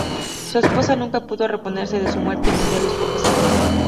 Su esposa nunca pudo reponerse de su muerte y murió a los pocos años.